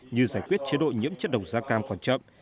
như giải quyết chế độ nhiễm chất độc da cam còn chậm